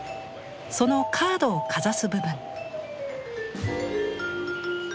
そのカードをかざす部分。